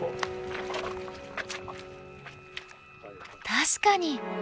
確かに。